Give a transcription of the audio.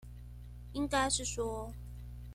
應該是說